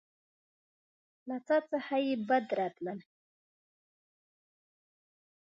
له څاه څخه يې بد راتلل.